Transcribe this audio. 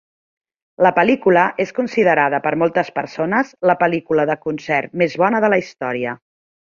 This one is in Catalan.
La pel·lícula es considerada per moltes persones la pel·lícula de concert més bona de la història.